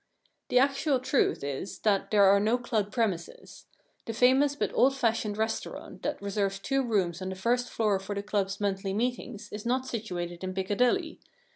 The actual truth is that there are no club premises. The famous but old fashioned restaurant that reserves two rooms on the first floor for the club's monthly meetings is not situated in Piccadilly.